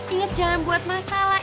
ingat jangan buat masalah